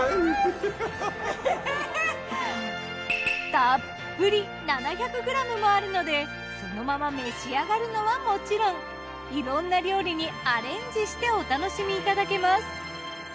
たっぷり７００ｇもあるのでそのまま召し上がるのはもちろんいろんな料理にアレンジしてお楽しみいただけます。